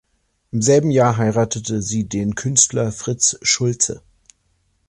Im selben Jahr heiratete sie den Künstler Fritz Schulze.